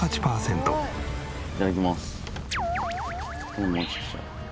いただきます。